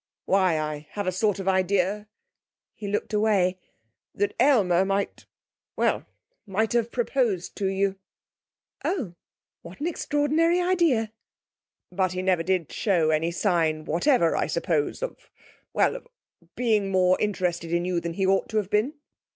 'Why, I have a sort of idea,' he looked away, 'that Aylmer might well, might have proposed to you!' 'Oh! What an extraordinary idea!' 'But he never did show any sign whatever, I suppose of well, of being more interested in you than he ought to have been?'